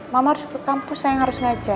mama harus ke kampus saya harus ngajak